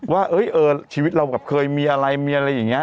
ว่าเอ้ยเออชีวิตเรากลับเคยมีอะไรมีอะไรอย่างนี้